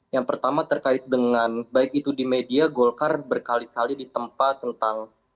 yang pertama terkait dengan baik itu di media golkar berkali kali ditempa tentang